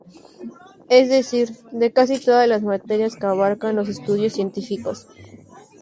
Es decir, de casi todas las materias que abarcan los estudios científicos.